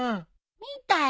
見たよ！